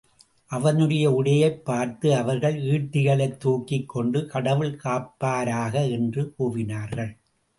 அவனுடைய உடையைப் பார்த்த அவர்கள், ஈட்டிகளைத் தூக்கிக் கொண்டு, கடவுள் காப்பாராக! என்று கூவினார்கள்.